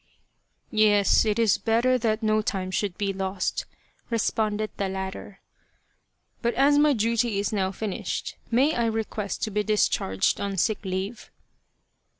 Yes, it is better that no time should be lost," responded the latter, " but as my duty is now finished, may I request to be discharged on sick leave